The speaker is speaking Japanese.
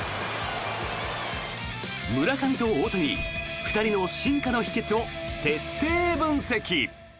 村上と大谷２人の進化の秘けつを徹底分析。